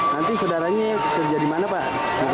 nanti saudaranya kerja di mana pak